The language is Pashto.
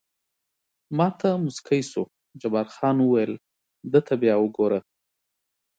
ما ته موسکی شو، جبار خان وویل: ده ته بیا وګوره.